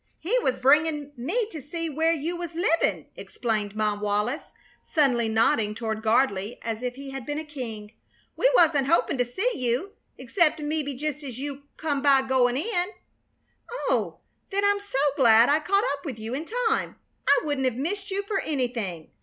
"He was bringin' me to see where you was livin'," explained Mom Wallis, suddenly, nodding toward Gardley as if he had been a king. "We wasn't hopin' to see you, except mebbe just as you come by goin' in." "Oh, then I'm so glad I caught up with you in time. I wouldn't have missed you for anything.